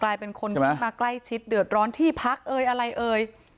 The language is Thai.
เป็นคนที่มาใกล้ชิดเดือดร้อนที่พักเอ่ยอะไรเอ่ย